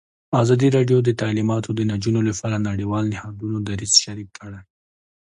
ازادي راډیو د تعلیمات د نجونو لپاره د نړیوالو نهادونو دریځ شریک کړی.